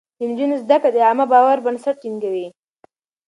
د نجونو زده کړه د عامه باور بنسټ ټينګوي.